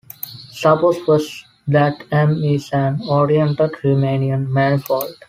Suppose first that "M" is an oriented Riemannian manifold.